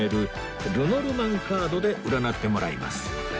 ルノルマンカードで占ってもらいます